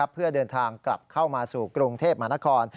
เพื่อเดินทางกลับเข้ามาสู่กรุงเทพมหานคร